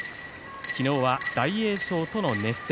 昨日は大栄翔との熱戦。